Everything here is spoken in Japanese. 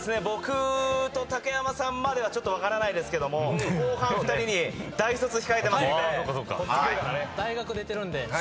僕と竹山さんまではちょっと分からないですけども後半２人に大卒控えてますんで。